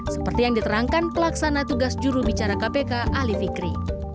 seperti yang diterangkan pelaksana tugas jurubicara kpk ali fikri